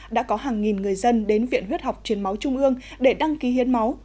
đã có hàng nghìn người dân đến viện huyết học truyền máu trung ương để đăng ký hiến máu